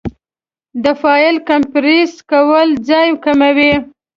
د فایل کمپریس کول ځای کموي.